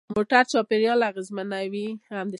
موټر د چاپېریال اغېزمنوي.